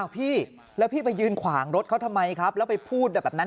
พี่แล้วพี่ไปยืนขวางรถเขาทำไมครับแล้วไปพูดแบบนั้น